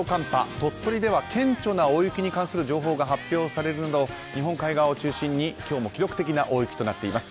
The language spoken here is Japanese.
鳥取では顕著な大雪に関する情報が発表されるなど日本海側を中心に、今日も記録的な大雪となっています。